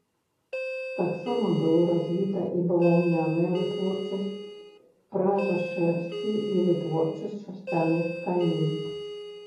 Таксама было развіта і баваўняная вытворчасць, пража шэрсці і вытворчасць шарсцяных тканін.